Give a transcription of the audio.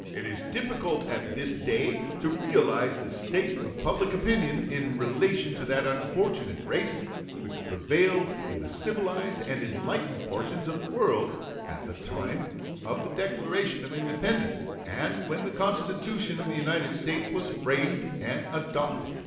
It is difficult at this day to realize the state of public opinion in relation to that unfortunate race which prevailed in the civilized and enlightened portions of the world at the time of the Declaration of Independence and when the Constitution of the United States was framed and adopted.